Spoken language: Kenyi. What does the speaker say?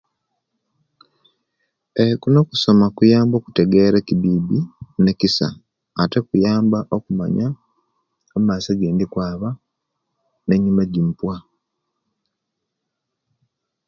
Eeeh kuno okusoma kuyamba okutegera ekibibi ne nikisa ate kuyamba okumanya omumaiso gyendi kwaba me nyuma ejenva